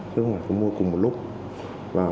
chứ không phải có mua cùng một lúc